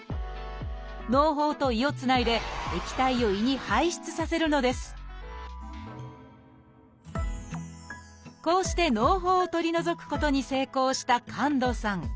のう胞と胃をつないで液体を胃に排出させるのですこうしてのう胞を取り除くことに成功した神門さん。